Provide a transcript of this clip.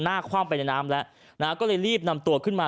อยู่เลยนะฮะแต่หน้าคว่ำไปในน้ำและนะฮะก็เลยรีบนำตัวขึ้นมา